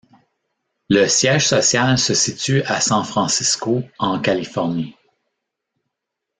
Le siège social se situe à San Francisco en Californie.